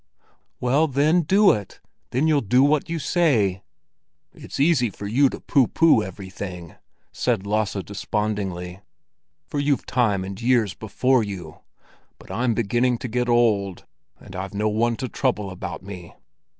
"Well, then, do it! Then you'll do what you say." "It's easy for you to pooh pooh everything," said Lasse despondingly, "for you've time and years before you. But I'm beginning to get old, and I've no one to trouble about me."